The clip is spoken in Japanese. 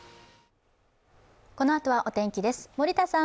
このあとはお天気です、森田さん